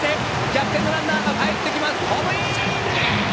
逆転のランナーがかえってきたホームイン！